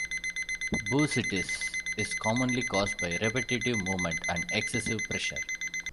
Bursitis is commonly caused by repetitive movement and excessive pressure.